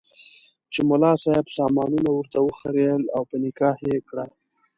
چې ملا صاحب سامانونه ورته وخریېل او په نکاح یې کړه.